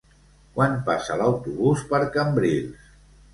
Quan passa l'autobús per Cambrils?